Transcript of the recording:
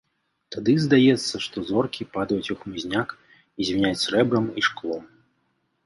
Тады здаецца, што зоркі падаюць у хмызняк і звіняць срэбрам і шклом.